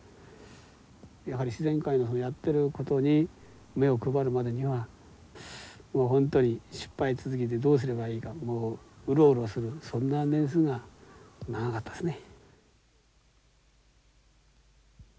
やはり自然界のやってることに目を配るまでにはもう本当に失敗続きでどうすればいいかもううろうろするそんな年数が長かったですね。